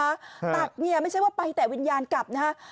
ตักเนี่ยไม่ใช่ว่าไปแต่วิญญาณกลับนะฮะ